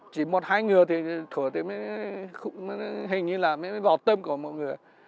chỉ một hai người thì thổi thì mới hình như là mới vọt tâm của một người